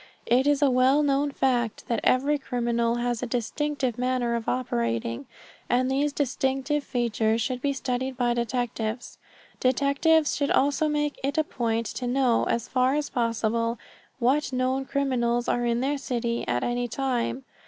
It is a well known fact that every criminal has a distinctive manner of operating, and these distinctive features should be studied by detectives. Detectives should also make it a point to know, as far as possible, what known criminals are in their city at any time.